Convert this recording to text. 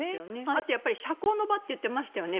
あと社交の場と言っていましたよね。